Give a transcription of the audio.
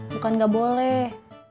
bukan gak boleh